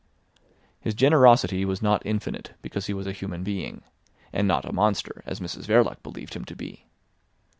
His generosity was not infinite, because he was a human being—and not a monster, as Mrs Verloc believed him to be.